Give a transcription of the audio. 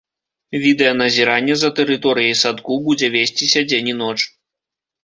Відэаназіранне за тэрыторыяй садку будзе весціся дзень і ноч.